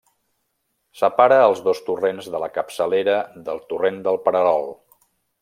Separa els dos torrents de la capçalera del torrent del Pererol.